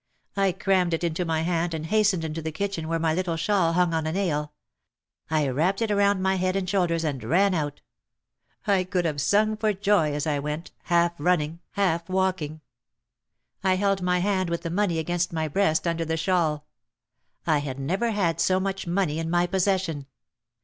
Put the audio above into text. I crammed it into my hand and hastened into the kitchen where my little shawl hung on a nail. I wrapped it around my head and shoulders and ran out. I could have sung for joy as I went, half running, 174 OUT OF THE SHADOW half walking. I held my hand with the money against my breast under the shawl. I had never had so much money in my possession.